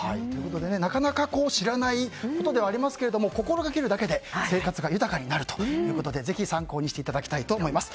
なかなか知らないことではありますけれども心がけるだけで生活が豊かになるということでぜひ参考にしていただきたいと思います。